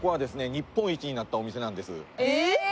日本一になったお店なんです